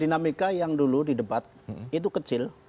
dinamika yang dulu di debat itu kecil